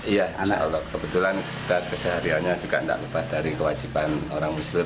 iya kebetulan seharianya juga tidak berubah dari kewajiban orang muslim